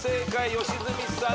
良純さん。